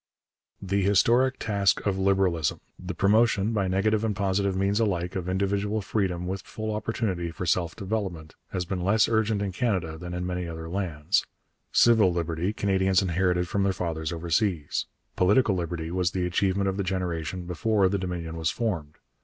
The historic task of Liberalism the promotion, by negative and positive means alike, of individual freedom with full opportunity for self development has been less urgent in Canada than in many other lands. Civil liberty Canadians inherited from their fathers overseas. Political liberty was the achievement of the generation before the Dominion was formed.